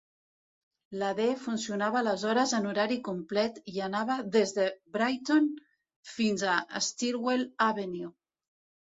La D funcionava aleshores en horari complet i anava des de Brighton fins a Stillwell Avenue.